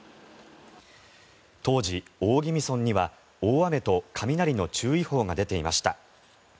当時、大宜味村には大雨と雷の注意報が出ていました。